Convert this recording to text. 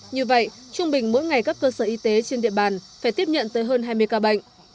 như vậy trung bình mỗi ngày các cơ sở y tế trên địa bàn phải tiếp nhận tới hơn hai mươi ca bệnh